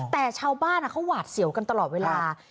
แต่ชาวบ้านเขาหวาดเสียวกันตลอดเวลา